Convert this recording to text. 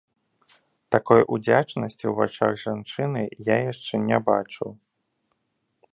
Такой удзячнасці ў вачах жанчыны я яшчэ не бачыў.